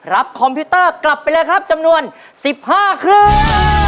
คอมพิวเตอร์กลับไปเลยครับจำนวน๑๕เครื่อง